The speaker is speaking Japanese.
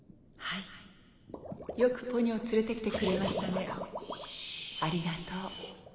はいよくポニョを連れて来てくれましたねありがとう。